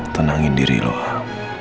tenangin diri lo ham